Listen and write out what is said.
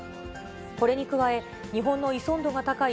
これに加え、日本の依存度が高い